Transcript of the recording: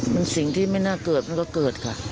มันสิ่งที่ไม่น่าเกิดมันก็เกิดค่ะ